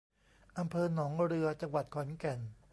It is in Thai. อำเภอหนองเรือ จังหวัดขอนแก่น